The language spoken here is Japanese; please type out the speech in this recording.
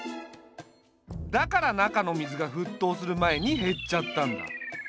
だから中の水が沸騰する前に減っちゃったんだ。